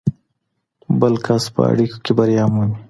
بل کس په اړیکو کې بریا مومي.